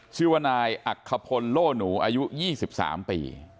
ชื่อว่านายอักขพลโล่หนูอายุ๒๓ปี